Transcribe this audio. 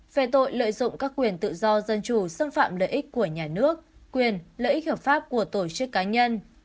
về tội lợi dụng các quyền tự do dân chủ xâm phạm lợi ích của nhà nước quyền lợi ích hợp pháp của tổ chức cá nhân